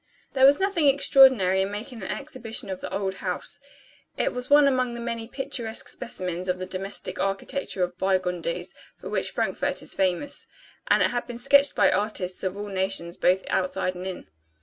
There was nothing extraordinary in making an exhibition of "the old house." It was one among the many picturesque specimens of the domestic architecture of bygone days, for which Frankfort is famous; and it had been sketched by artists of all nations, both outside and in.